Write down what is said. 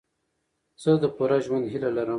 زه د پوره ژوند هیله لرم.